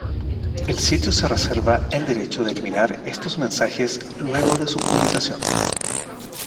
El sitio se reserva el derecho de eliminar estos mensajes luego de su publicación.